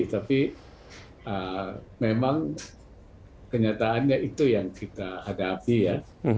tapi memang kenyataannya itu yang kita hadapi ya